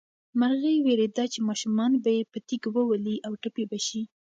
مرغۍ وېرېده چې ماشومان به یې په تیږو وولي او ټپي به شي.